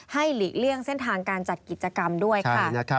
หลีกเลี่ยงเส้นทางการจัดกิจกรรมด้วยค่ะ